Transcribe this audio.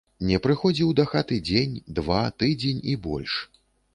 Не прыходзіў дахаты дзень, два, тыдзень і больш.